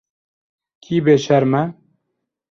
Kî bêşerm e?